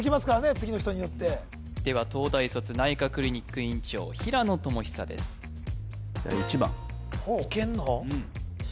次の人によってでは東大卒内科クリニック院長平野智久ですいけんの？